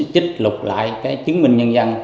chích lục lại cái chứng minh nhân dân